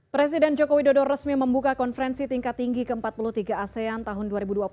presiden jokowi dodo resmi membuka konferensi tingkat tinggi ke empat puluh tiga asean tahun dua ribu dua puluh tiga